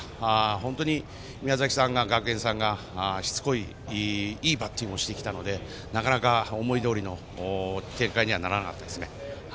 本当に、宮崎学園さんがしつこいいいバッティングをしてきたのでなかなか思いどおりの展開にはならなかったですね。